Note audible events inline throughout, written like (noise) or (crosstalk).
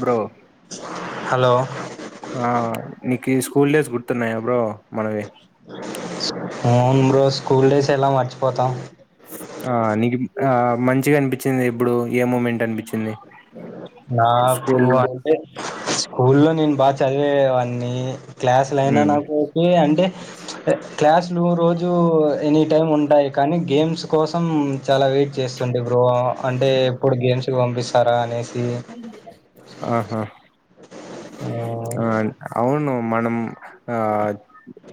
Bro hello ఆ school days గుర్తున్నా ఎ బ్రో మనవి స్కూల్ ఎలా మర్చిపోతాం ఆ నీకు ఆ మంచిగా అనిపించింది ఇప్పుడు ఏ మూమెంట్ అనిపించింది నాకువ స్కూల్లో అంటే స్కూల్ లో నేను బాగా చదివేవాణ్ణి క్లాసుల అయినా ఉమ్ నాకు ఒకే అంటే క్లాస్ లో రోజు ఎనీ టైమ్ ఉంటాయి కానీ గేమ్స్ కోసం చాలా వెయిట్ చేస్తుండే ఇప్పు అంటే ఇప్పుడు గేమ్స్ పంపిస్తారా అని ఆహా మ్మ్. ఆన్ అవును మనం ఆ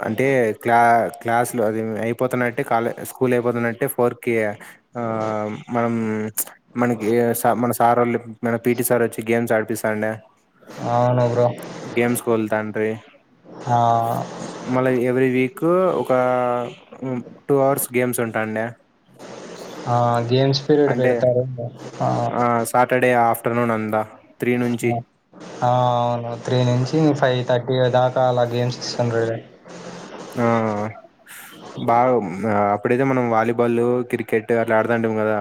అంటే క్లా క్లాసులు అది అయిపోతున్నట్టే కాలే స్కూల్ అయిపోతున్నట్టే ఫోర్కి మనం మనకి మన సార్ వాళ్ళు మన పిటీ సార్ వచ్చి గేమ్స్ ఆడిపిస్తాండి అవును బ్రొ గేమ్స్ కోల్తాన్డ్రీ ఆ, మళ ఎవ్రీ వీక్ కు ఒక టూ అవర్స్ గేమ్స్ ఉంటాండి పరీడ్ పతారు ఆ ఆఫటర్నూన్ అందా త్రీ నుంచి ఆ అవును త్రీ నుంచి ఫైవ్ థర్టీ దాకా చాలా గేమ్స్ చన (inaudible) ఆ బా ఉం అప్పుడైతే మనం వాలీబాల్ క్రికెట్ అట్లా ఆడతాంటిం కదా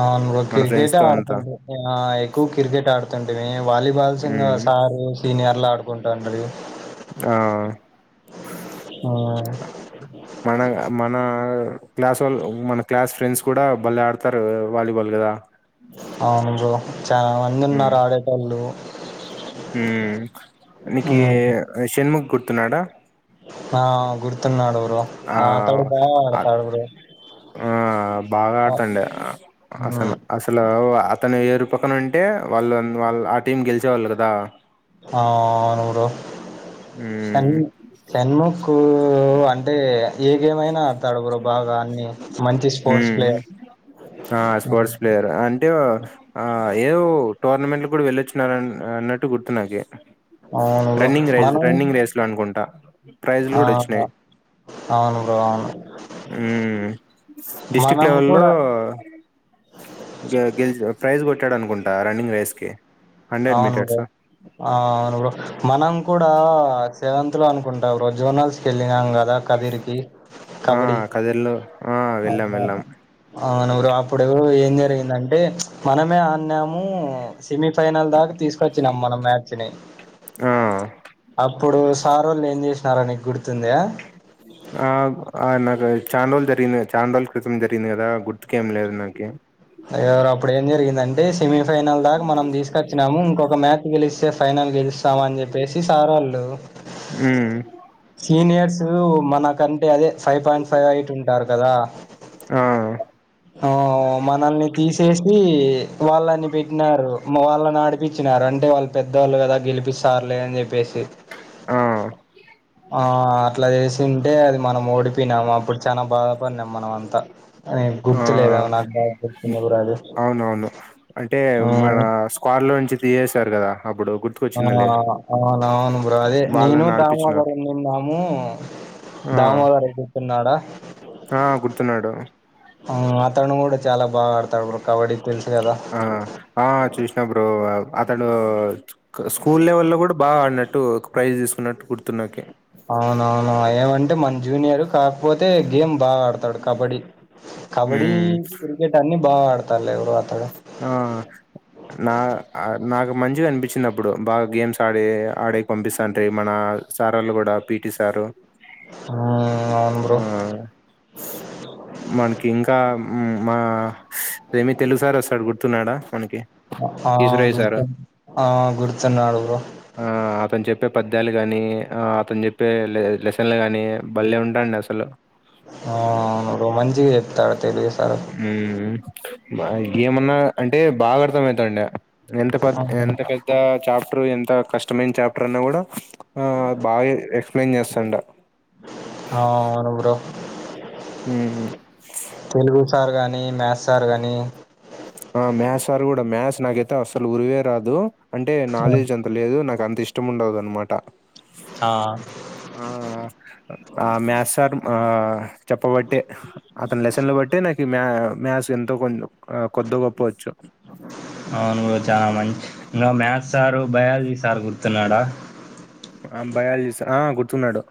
ఆ ను మన ఫ్రెండ్స్ క్రికెటే తో అంతా ఆడుతుంటే ఎక్కువ క్రికెట్ ఆడుతుంటేవి వాలీబాల్స్ ఇ ఉమ్ సారు సీనియర్లు ఆడుకుంటాండ ఆ హ్మ్. మన మన మన క్లాస్ వాళ్ళ మన క్లాస్ ఫ్రెండ్స్ కూడా బళ్లే ఆడతారు వాలీబాల్ గదా అవును బ్రో చాలా మంది ఉమ్ ఉన్నారు ఆడేటోళ్ళు ఉమ్ నికీ హ్మ్. షణముగ్ గుట్ట్ కత్నాడ ఆ గు న్నాడు బ్రో ఆ తడు బా ఆ ఆడతాడు బ్రో ఆ బాగా ఆ! ఆడుతండి హ్మ్. అసలు అసలు అతను చురుపక్కన ఉంటే వాళ్ళు వాళ్ళు ఆ టీం గెలిచేవాళ్ళు కదా ఆ నూరు షన్ ఉమ్ షన్ముఖ్ కూ అంటే ఏ గేమ్ అయినా ఆడతాడు బ్రో బాగా అన్ని. మంచి స్పోర్ట్స్ ఉం? ప్లేయర్. ఆ హ్మ్. స్పోర్ట్స్ ప్లేయర్ అంటే ఆ ఏవు టోర్నమెంట్లు కూడా వెళ్ళొచ్చునార అన్నట్ట్లు గుర్తు నాకి అవును బ్రో. రన్నింగ్ రేస్ మనం రన్నింగ్ రేస్లు అనుకుంటా ప్రైజ్లు ఆ! గూడా వచ్చినాయి అవును బ్రో అవును. మ్ డిస్టిరిక్ట్ మనం లెవెల్లో కూడా గ గెలిచ ప్రైజ్ కొట్టాడు అనుకుంటా రన్నింగ్ రేస్ కి హండ్రెడ్ అవును మీటర్స్ బ్రో అవును బ్రో మనం కూడా సేవంత అనుకుంటా బ్రో జోనల్స్ కి వెళ్లిన ఆ కదిరిలో ఆ వెళ్ళాం వెళ్ళాం నరు ఇప్పుడు ఏం జరిగిందంటే మనమే ఆన్నాము సమి ఫైనల్ దాకా తీసుకొచ్చినా మన మ్యాచ్ ని ఆ అప్పుడు సారోళ్ళ ఏం చే నారా గు ఆ అ నాకా చాండోలు జరినంది చాండోల క్రితం జరిగింది కదా గుర్తుక ఏం లేదు నాకి ఎవరు అప్పుడు ఏం జరిగిందంటే సెమీఫైనల్ దాకా మనం తీసుకొచ్చినాము ఇంకొ మ్యాచ్ గెలిస్తే ఫైనల్ గజస్ ఇస్తాంని చెప్పేసి సార్ వాళ్ళు మ్మ్ సీనియర్స్ మనకు కరంటే అదది ఫైవ్ పాయింట్ ఫైవ్ ఎయిట్ ఉంటారు కదా ఆ ఆ మనల్ని తీసేసి వాళ్ళని పెట్టినారు వాళ్ళని నడిపించినారు అంటే వాళ్ళు పెద్దవాళ్ళు కదా గెలిపిస్తారులే అని చెప్పేసి ఆ ఆ అట్లా చేసింటే అది మనం ఓడిపోయినాము అప్పుడు చాలనా బాధపడినాం మనం అంతా ఆ గుర్తులేదా నాకు బాగా గుర్తుంది బ్రో అది అవునవును అంటే మన మ్మ్ స్వార్ లో నుంచి తీశారు కదా అప్పుడు ఆ గుర్తుకొచ్చిందిలే అవున అవును బ్రో అదే నేను వాళ్ళని ఆడిపిచ్చినారు దామోదరం నిన్నాము ఆ దామోదర కూతున్నాడా ఆ గుర్తున్నాడు ఆ ఆతడు కూడా చాలా బాగా ఆడతాడు బ్ర ఆ ఆ చూసినా బ్రో అతడు స్కూల్ లెవల్ల్లో కూడా బాగా ఆన్నట్టు ఒక ప్రైజ్ తీసుకున్నట్టు గుర్తున్నక అవునవును ఏమంటే మన జూనియరు కా పోతే గేమ్ బాగా ఆడతాడు కబడ్డీ కబడ్డీ మ్మ్ క్రికెట్ అన్ని బా వాడతా ఎ అ ఆ.. నా.. నాకు మంచిగా అనిపించిందప్పుడు బాగా గేమ్స్ ఆడీ ఆడీ పంపిస్తాంటె మన సారోళ్ళు కూడా పిటి సారు హ్మ్ అవును బ్రో మ్... మనకి ఇంక ఇంక మా అదేమి తెలుసార గుర్తున్నాడా మనకి ఆ ఈశ్వరయ్య సారు గుర్తు ఆ గుర్తున్నాడు బ్రొ ఆ అతను చెప్పే పద్యాలు గాని ఆ అతను చెప్పే లెసన్లు గాని బలే ఉంటాండె అసలు ఆ ర మంచి చిగ చెప్తాడు తెలుగసల్ మ్... మన గేమున్నా అంటే బాగా అర్థం అయితాండె ఎంత పెద్ద అవును ఎంత పెద్ద చాప ప్టర్ ఎంత కష్టమైన చాప్టర్ అన్నా కూడా ఆ బాగా ఎక్స్ ప్లెయిన్ చేస్తుండా ఆవును బ్రో ఉమ్ తెలుగు సార్ గానీ మ్యాథ్స్ సార్ గానీ ఆ మేథ్స్ సారు కూడా మేథ్స్ నాగైతే అసలు ఉరువే రాదు అంటే హ్మ్. నాలెడ్జ్ అంత లేదు నాకు నాకంత ఇష్టం ఉండదు అనమాట ఆ ఆ ఆ మేథ్స్ సారు ఆ చెప్పబట్టె అతని లెసన్లు బట్టె నాక్ మ్యా మ్యాథ్స్ ఎంతో కొంచెం అవును చానా మంచి ఇంకా మ్యాథ్స్ సారు బయాలజీ సార్ గుర్తున్నాడా ఆ బయాలజీస్ ఆ గుర్తున్నాడు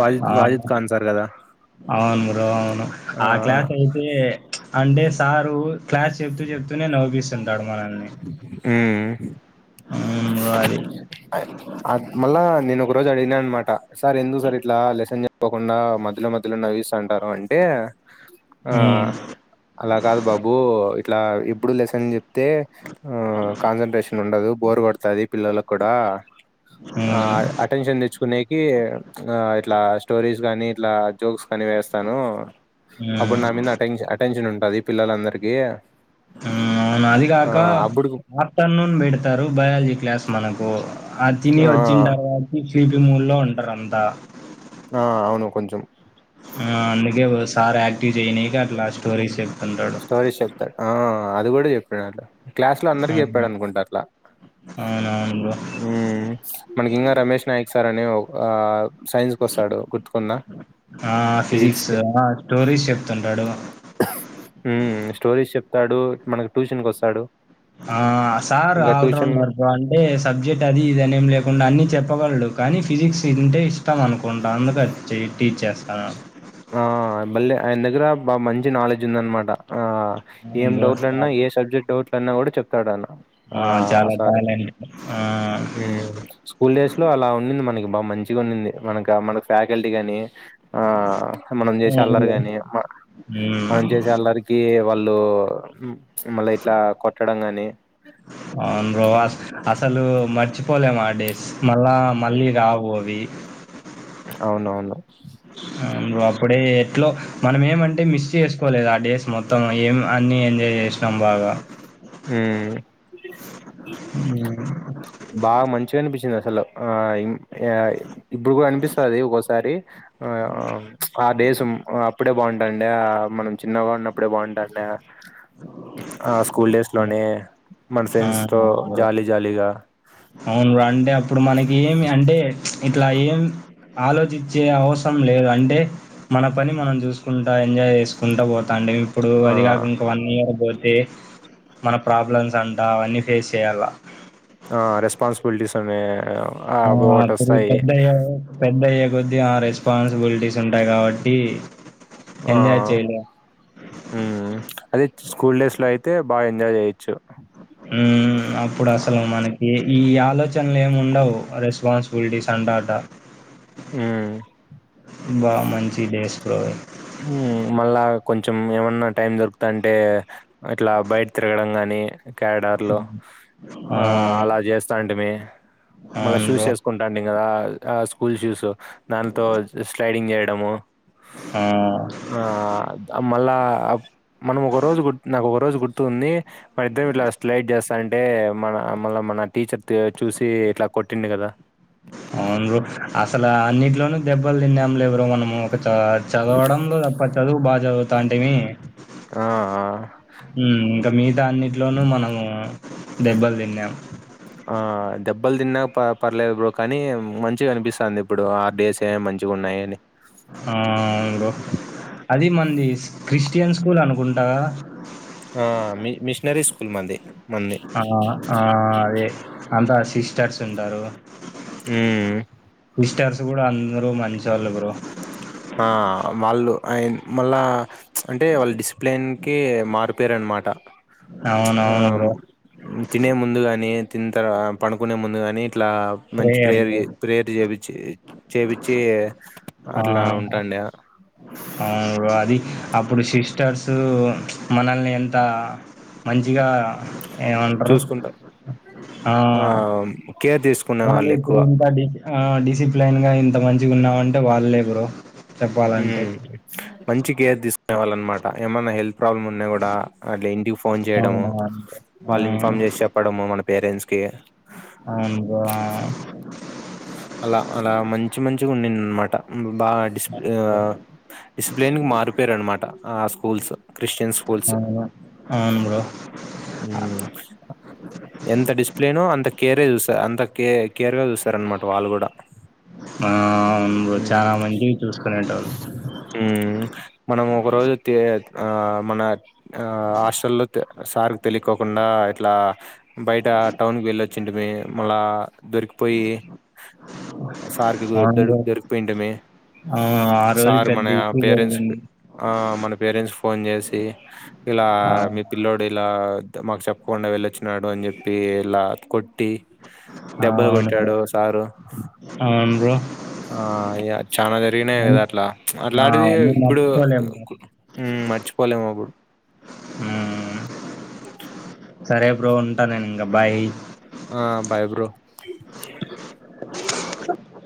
వాజిద్ వాజిద్ ఆవును ఖాన్ సార్ కదా అవును బ్రో అవును ఆ క్లాస్ అయితే అంటే సారు క్లాస్ చెప్తూ చెప్తూ నే నవిపి‌స్త మ్... హ్మ్. బ్రో అది. అ మళ్ళ నేను ఒక రోజు అడిగిన అనమాట సార్ ఎందుకు సార్ ఇట్లా లెసన్ చెప్పకుండా మధ్యలో మధ్యలో నవ్విస్తుంటారు అంటే ఆ హ్మ్. అలా కాదు బాబు ఇట్లా ఇప్పుడు లెసన్ చెప్తే హూ కాన్సన్ట్రేషన్ ఉండదు అదే పిల్లలకు కూడా ఆ హ్మ్. అటెన్షన్ తెచ్చు నేకి ఆ ఇట్లా స్టోరీస్ కానీ ఇట్లా జోక్స్ కానీ వేస్తాను అప్పుడు హ్మ్. నా మీంద అటెన్షన్ అటెన్షన్ ఉంటంది కది పిల్లలందరికీ అవును అదిగాక afternoon medicine sir biology class మనకు అతిని ఆ వచ్చింటారు అతి కీబ మూల్లో ఉండరు అంతా ఆ అవును కొంచెం అందుకే సార్ యాక్టివ్ చేయనాయి కాట్ లాస్ట్ స్టోరీష్ చెప్తారు ఆ అది కూడా చెప్పడాల క్లాస్ లో అందరికి చెప్పాడు అవును. అనుకుంటా అట్లా. అవునవును బ్రో. ఊ మనకి ఇంకా రమేష్ నాయక్ సార్ అని ఒక ఆ సైన్స్ కి వస్తాడు గుర్తుకుందా ఆ ఫిజిక్స్ స్టోరీస్ చెప్తుంటాడు స్టోరీస్ చెప్తాడు మనకు ట్యూషన్ కు వస్తాడు ఆ సార్ ఇంకా ట్యూషన్ లో ఆల్రౌండర్ అంటే సబ్జెక్ట్ అది ఇదనే ఏం లేకుండా అన్ని చెప్ చెప్పగలడు కానీ ఫిజిక్స్ తంటే ఇష్టం అనుకుంటా అందుకు టీచ్ చేస్తాన్నాను ఆ మళ్ళీ ఆయన దగ్గర బా మంచి నాలెడ్జ్ ఉంద అనమాట ఆ అవును ఏం బ్రో. చా డౌట్లన్నా ఏ సబ్జెక్ట్ డౌట్లు అన్నా కూడా చెప్తాడున్న ఆ చాలా సార్ టాలెంట్. ఆ! హు స్కూల్ డేస్ లో అలా ఉంది మనకి బా మంచిగా ఉన్నింది మనక మనకు ఫ్యాకల్టీ గాని ఆ మనం చేసే అవును అళ్లరు బ్రో. కాగాని హ్మ్. మనం చేసే అళ్లరికి వాళ్ళు ఉ మళ్ళ ఇట్లా కొట్టడం గాని నే అవును బ్రో. అస్ అసలు (unintelligible) మళ్ళా మళ్ళీ రావు అది అవునవును అ నుఅప్పుడే ఇంట్లో లో మనం ఏమంటే అంటేమిస్ చేసుకోలేదు ఆ డేస్ మొత్తం ఏం అన్ని ఎంజాయ్ చేస్తాం చంబాగా ఆ ఆ చి అసలు ఆ యిం ఇగ ఇప్పుడు కూడా అనిపిస్తుంది అది ఒకసారి ఆ ఆ డేస్ అప్పుడే బాగుంటాండి మనం చిన్నగా ఉన్నప్పుడే బాగుంటాం డే వు మన ఫ్రెండ్స్ అవును తో జాలీ జాలీగా అవును రా అంటే అప్పుడు మనకి ఏమి అంటే ఇట్లా ఏం ఆలోచించే అవసరం లేదు అంటే మన పని మనం చూసుకుంటాయి ఎంజా్ చేసుకుంటా పో దాన్ని ఇప్పుడు ఆ అది కాక ఇంక వన్ ఇయర్ పో మన ప్రాబ్లమ్స్ అంటా అవన్నీ ఫేస్ చేయాలా ఆ రెస్పన్సి బుల్టిస్ అవే ఆ త పెద్ద పెద్ద యే కొద్ది రెస్పాన్సిబుల్టిస్ ఉంటాయి కాబట్టి ఆ ఎంజాయ్ చేయలేం. అదే స్కూల్ డేస్ లో అయితే బాగా ఎంజాయ్ చేయొచ్చు అ అప్పుడు అసలు మనకి ఈ ఆలోచనలు ఏమి ఉండవు రెస్పాన్సిబుల్టీస్ అంటాట ఆ బా మంచి డేస్ బ్రో అవి. మళ్ళా కొంచెం ఏమన్నా టైం దొరుకుతా అంటే ఇట్లా బయట తిరగడం గానీ కే్యాడార్లు ఆ అలా చేస్తా అంటే మే మళ్ళా అవును షూస్ బ్రో. ఏసుకుంటాడే కదా ఆ స్కూల్ షూస్ దాంతో స్లైడింగ్ ఏ ట్ డమో ఆ! ఆ మళ్ళా మనం ఒక రోజు నాకు ఒక రోజు గుర్తుంది మరి ఇద్దరం ఇట్లా స్లైడ్ చేస్తా అంటే మన మళ్ళ మన టీచర్ చూసి ఇట్లా కొట్టిండు కదా లో దెబ్బలు తిన్నాములే లే బ్రో మేము ఇ చదవడంలో తప్ప చదువు బాగా చదువుతా అంటేవి, ఆ! ఆ! ఇంకా మిగతా అన్నిట్లోనూ మనము దెబ్బలు తిన్నాము ఆ దెబ్బలు తిన్నాక ప పర్లేదు బ్రో కానీ మంచిగా అనిపిస్తుంది ఇప్పుడు, ఆ డేస్ ఏ మంచిగా ఉన్నాయి అని ఆ బ్రో అది మనది క్రిస్టియన్ స్కూల్ అనుకుంటా ఆ మీ మిషనరి స్కూల్ మనది ఆ ఆ అదే అంతా సిస్టర్స్ ఉంటారు మ్మ్ కూడా అందరు మంచోళ్ళు బ్రో ఆ వాళ్ళు అయ మళ్ళా అంటే వాళ్ళ డిసిప్లిన్ కి మార్క్ పేరన్నమాట ఆ అవునవును బ్రో. తినే ముందుగాని తిన్ త పనుకునే ముందుగాని అట్లా మంచి ప్రేయర్ ప్రేయర్ చేపిచి చేపచ్చి ఆ అది అప్పుడు సిస్ట షర్సు మనల్ని ఎంత మంచిగా ఏమంటారు చూసుకుంటా ఆ కేర్ తీస్ మనం ఇప్పుడు ఇంత డి డిసిప్లేన్ గా ఇంత మంచిగా ఉన్నావంటే వాళ్లే బ్రో చెప్పాలంటే మ్ మంచి కేర్ తి కావ్వాలన్నమాట ఏమైన్నా హెల్ప్ ప్రాబ్లమ్ ఉన్నాయి కూడా, అగా ఇంటికి ఫోన్ చేయడము, అవునవును బ్రో. ఆ, వాళ్ళు ఇన్ఫార్మ్ చేసి చెప్పడము మన పేరెంట్స్ కి అవును బ్రో అలా అలా మంచి మంచిగా ఉండింది అనమాట బా ఆ డిసిప్లేన్ కి మారుపేరు అనమాట ఆ స్కూల్స్, క్రిస్టియన్ ఆ, స్కూల్స్ అవును అవును బ్రో ఎంత డిసిప్లేన్ అ కేరే చూస్తారు అంత కే కేరగా చూస్తార అనమాట వాళ్ళు కూడా ఆ అవును చాలా మంది చూ మ్ మనం ఒక రోజు ఆ మన ఆ హాస్టల్లో సార్కి తెలియకోకుండా ఇట్లా బయట ఆ టౌన్కి వెల్ వచ్చింటిమి మళ్ళా దొరికిపోయి సార్కి ద అవును బ్రో దొరికిపోయింటమే ఆ ఆ రోజు సార్ పెద్ద మన ఇష్యూ పేరెంట్స్ జరిగింది ఆ మన పేరెంట్స్ ఫోన్ చేసి ఇలా ఆ, మీ పిల్లోడు ఇలా మాకు చెప్పకుండా వెళ్ళొచ్చినాడు అని చెప్పి ఇలా కొట్టి, దెబ్బలు అవును బ్రో కొట్టాడు సారు అవును బ్రో ఆ యా చానా జరిగినాయి అవును కదా అట్లా ఆ అట్లాంటివి. అవన్నీ ఇప్పుడు మర్చిపోలేము. హ్ మర్చిపోలేము అప్పుడు. హ్ సరే బ్రో ఉంటా నేను ఇంగా బాయ్. ఆ బాయ్ బ్రో.